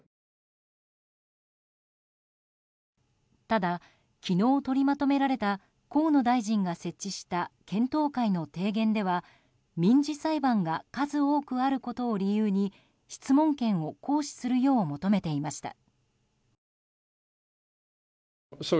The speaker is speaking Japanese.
ただ、昨日取りまとめられた河野大臣が設置した検討会の提言では民事裁判が数多くあることを理由に質問権を行使するよう求めていました。